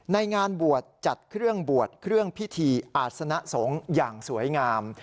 ในงานบวชจัดเครื่องบวชเครื่องพิธีอาศนสงฆ์อย่างสวยงาม